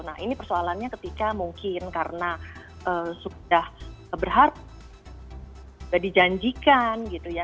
nah ini persoalannya ketika mungkin karena sudah berharap sudah dijanjikan gitu ya